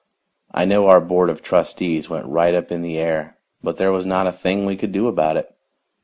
I know our board of trustees went right up in the air, but there was not a thing we could do about it.